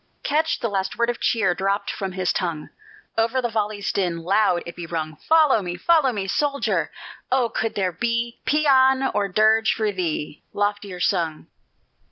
Catch the last word of cheer Dropt from his tongue; Over the volley's din, Loud be it rung, "Follow me! follow me!" Soldier, oh! could there be Pæan or dirge for thee Loftier sung!